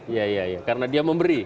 iya iya karena dia memberi